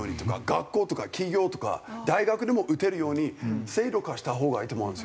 学校とか企業とか大学でも打てるように制度化した方がいいと思うんですよ。